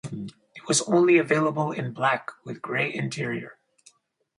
It was only available in black with gray interior.